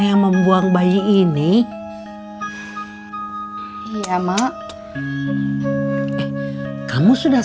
dengan nyantiknya bastah